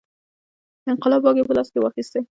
د انقلاب واګې په لاس کې واخیستې.